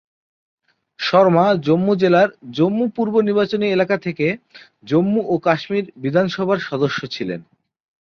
শর্মা জম্মু জেলার জম্মু পূর্ব নির্বাচনী এলাকা থেকে জম্মু ও কাশ্মীর বিধানসভার সদস্য ছিলেন।